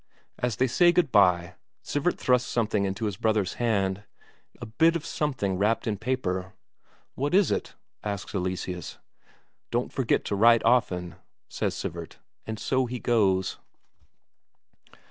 As they say good bye, Sivert thrusts something into his brother's hand, a bit of something wrapped in paper. "What is it?" asks Eleseus. "Don't forget to write often," says Sivert. And so he goes.